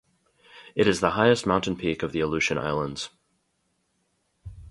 It is the highest mountain peak of the Aleutian Islands.